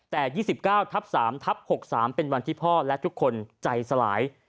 แต่ยี่สิบเก้าทับสามทับหกสามเป็นวันที่พ่อและทุกคนใจสลาย